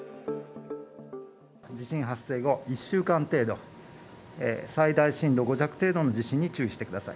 地震発生後１週間程度、最大震度５弱程度の地震に注意してください。